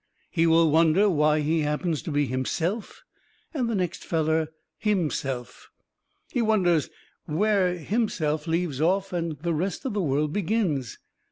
He will wonder why he happens to be himself and the next feller HIMSELF. He wonders where himself leaves off and the rest of the world begins.